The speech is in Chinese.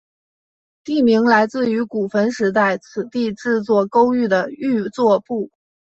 地名来自于古坟时代此地制作勾玉的玉作部。